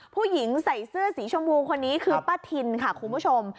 ผู้หญิงใส่เสื้อสีชมพูคนนี้คือป้าทินค่ะคุณผู้ชม